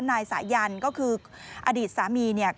นายสายันก็คืออดีตสามี